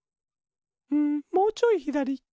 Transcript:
うんもうちょいひだり。